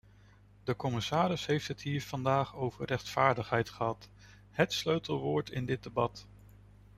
De commissaris heeft het hier vandaag over rechtvaardigheid gehad, hét sleutelwoord in dit debat.